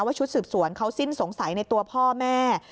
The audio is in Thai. ชุดสืบสวนเขาสิ้นสงสัยในตัวพ่อแม่